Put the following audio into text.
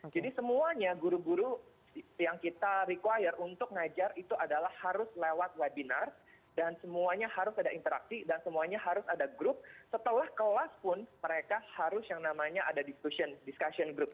jadi semuanya guru guru yang kita require untuk ngajar itu adalah harus lewat webinar dan semuanya harus ada interaksi dan semuanya harus ada grup setelah kelas pun mereka harus yang namanya ada discussion discussion group